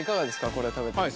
これ食べてみて。